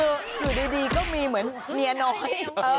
คืออยู่ดีก็มีเหมือนเมียน้อย